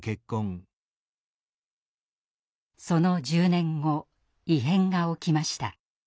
その１０年後異変が起きました。